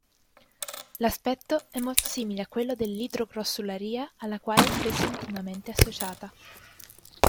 L'aspetto è molto simile a quello dell'idrogrossularia alla quale è spesso intimamente associata.